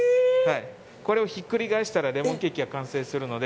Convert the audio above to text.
これをひっくり返したらレモンケーキが完成するので。